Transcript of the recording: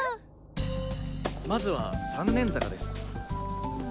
まずは三年坂です。